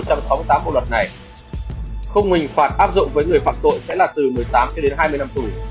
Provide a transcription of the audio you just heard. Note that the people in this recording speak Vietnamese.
không hình phạt áp dụng với người phạt tội sẽ là từ một mươi tám hai mươi năm tù